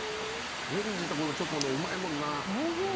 オレンジとチョコ、うまいもんな。